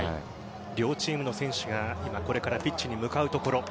両チームの選手が今これからピッチに向かうところ。